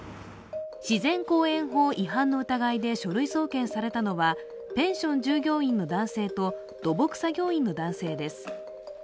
自然公園法違反の疑いで書類送検されたのはペンション従業員の男性と土木作業員の男性です。